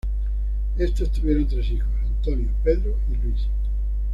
Estos tuvieron tres hijos, Antonio, Pedro y Luis.